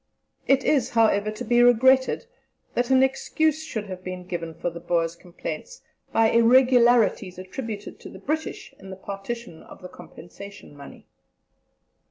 It is however to be regretted, that an excuse should have been given for the Boers' complaints by irregularities attributed to the British in the partition of the compensation money.